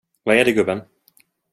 Vad är det, gubben?